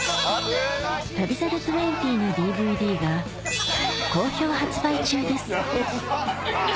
『旅猿２０』のＤＶＤが好評発売中です